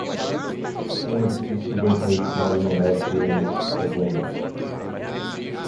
Um edifício bem projetado não deve ter esses problemas.